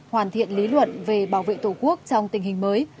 hoàn thiện lý luận về bảo vệ tổ quốc trong tình hình mới